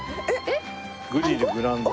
グリルグランド。